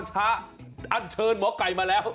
เท่าชะเราเชิดหมอไกรมาแล้ว